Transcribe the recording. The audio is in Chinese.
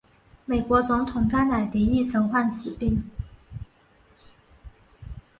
美国总统甘乃迪亦曾患此病。